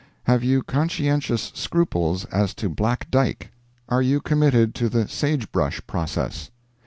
Have you conscientious scruples as to black dyke? Are you committed to the sage brush process?